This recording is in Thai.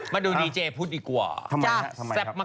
มาดูดีเจี่ยพูดดีกว่า